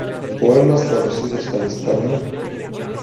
Poemas traducidos al español